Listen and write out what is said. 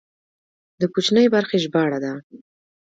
د کوچنۍ برخې ژباړه ده.